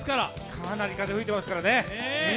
かなり風、吹いてますから。